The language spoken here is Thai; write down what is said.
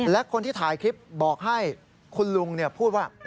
และคนที่ถ่ายคลิปบอกให้คุณลุงพูดว่า